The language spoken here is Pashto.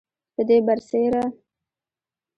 پدې برسیره